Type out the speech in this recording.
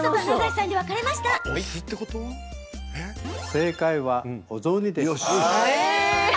正解は、お雑煮でした。